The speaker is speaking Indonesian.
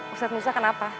ustadz musa kenapa